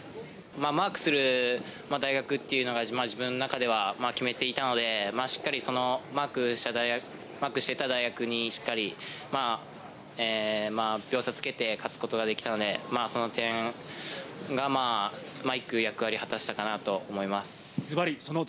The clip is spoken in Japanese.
マークする大学というのは自分の中では決めていたので、しっかりマークしてた大学に秒差をつけて勝つことができたので、その点が１区の役割を果たしたかなと思います。